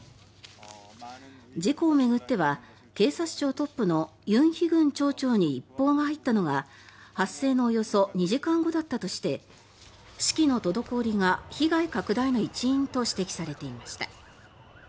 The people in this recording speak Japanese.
事故を巡っては警察庁トップのユン・ヒグン庁長に一報が入ったのが、発生のおよそ２時間後だったとして指揮の滞りが被害拡大の一因と指摘されていました。